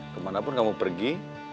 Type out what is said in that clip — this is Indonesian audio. kemanapun kamu pergi